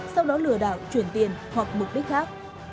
sau đó lừa đảo chuyển tiền hoặc mục đích khác